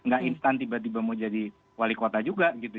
gak instan tiba tiba mau jadi wali kota juga gitu